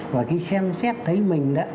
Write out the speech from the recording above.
và khi xem xét thấy mình